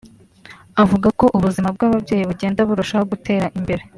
avuga ko ubuzima bw’ababyeyi bugenda burushaho gutera imbere